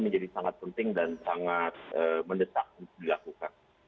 jadi kita harus mendetak dan dilakukan